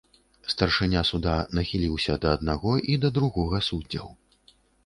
Старшыня суда нахіліўся да аднаго і да другога суддзяў.